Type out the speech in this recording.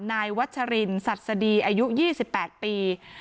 นายวัชรินสัสดีอายุ๒๘ปี